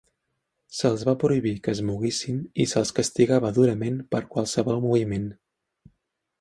Se'ls va prohibir que es moguessin i se'ls castigava durament per qualsevol moviment.